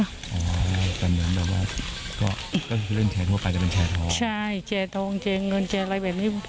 อ๋อแบบนั้นแบบว่าก็ก็เลื่อนแชทั่วไปจะเป็นแชทองใช่แชทองแชเงินแชอะไรแบบนี้